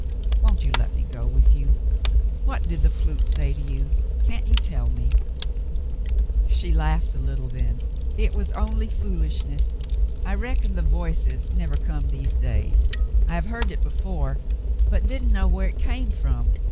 "Won't you let me go with you? W'hat did the flute say to you ? Can't you tell me ?" She laughed a little then. "It was only foolishness. I reckon the 'Voices' never come these days. I have heard it before, but didn't know where it came from.